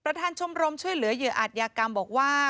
ชมรมช่วยเหลือเหยื่ออาจยากรรมบอกว่า